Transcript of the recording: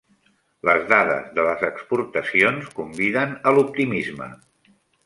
Les dades de les exportacions conviden a l'optimisme